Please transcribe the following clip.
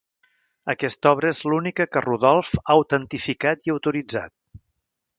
Aquesta obra és l'única que Rudolf ha autentificat i autoritzat.